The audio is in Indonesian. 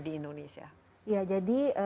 di indonesia ya jadi